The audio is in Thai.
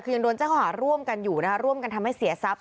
คือยังโดนแจ้งข้อหาร่วมกันอยู่นะคะร่วมกันทำให้เสียทรัพย